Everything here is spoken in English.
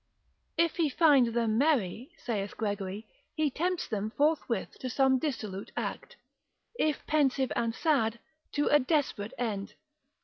If he find them merry, saith Gregory, he tempts them forthwith to some dissolute act; if pensive and sad, to a desperate end.